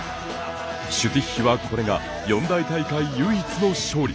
シュティッヒはこれが四大大会唯一の勝利。